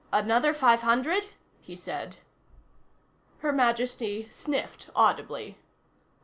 "Another five hundred?" he said. Her Majesty sniffed audibly.